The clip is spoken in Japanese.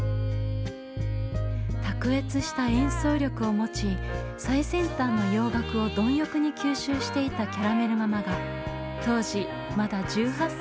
卓越した演奏力を持ち最先端の洋楽を貪欲に吸収していたキャラメル・ママが当時まだ１８歳の少女だったユーミンと出会います。